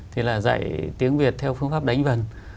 thì là dạy tiếng việt theo phương pháp đánh vần